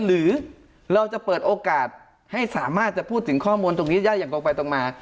หรือเราจะเปิดโอกาสให้สามารถจะพูดถึงข้อมูลตรงนี้ได้อย่างตรงไปตรงมา